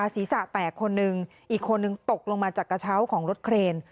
ศีรษะแตกคนหนึ่งอีกคนนึงตกลงมาจากกระเช้าของรถเครน